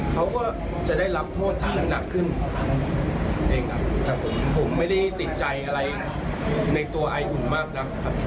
เขาก็จะได้รับโทษที่น้ำหนักขึ้นเองครับแต่ผมผมไม่ได้ติดใจอะไรในตัวไออุ่นมากนักครับ